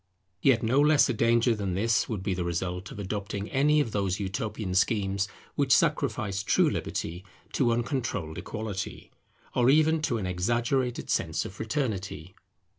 Yet no less a danger than this would be the result of adopting any of those utopian schemes which sacrifice true liberty to uncontrolled equality, or even to an exaggerated sense of fraternity.